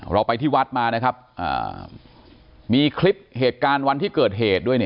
เราไปที่วัดมานะครับมีคลิปเหตุการณ์วันที่เกิดเหตุด้วยเนี่ย